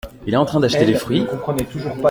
Il est en train d’acheter des fruits ?